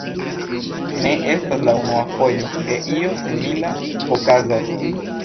Ne estas la unua fojo, ke io simila okazas.